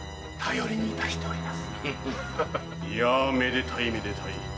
いやめでたいめでたい。